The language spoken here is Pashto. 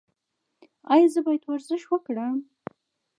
ایا زه باید ورزش وکړم؟